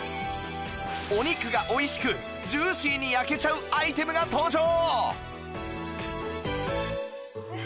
お肉が美味しくジューシーに焼けちゃうアイテムが登場！